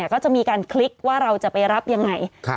ก็จะมีการคลิกว่าเราจะไปรับยังไง